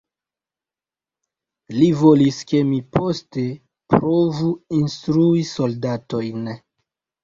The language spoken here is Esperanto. Li volis, ke mi poste provu instrui soldatojn.